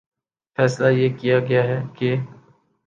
فیصلہ یہ کیا گیا کہ